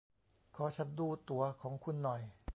ขอฉันดูตั๋วของคุณหน่อย